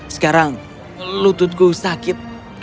sekarang lututku sakit